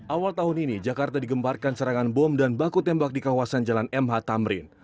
awal tahun ini jakarta digemparkan serangan bom dan baku tembak di kawasan jalan mh tamrin